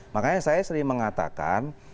makanya saya sering mengatakan